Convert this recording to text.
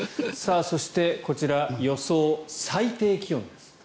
そして、こちら予想最低気温です。